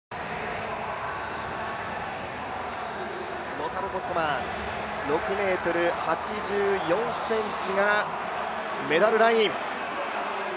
ロタルコットマン、６ｍ８４ｃｍがメダルライン。